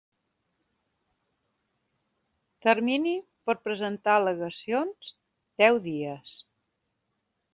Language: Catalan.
Termini per a presentar al·legacions: deu dies.